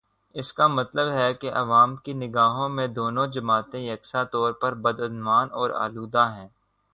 اس کا مطلب ہے کہ عوام کی نگاہوں میں دونوں جماعتیں یکساں طور پر بدعنوان اور آلودہ ہیں۔